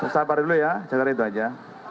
sabar dulu ya jaga diri itu aja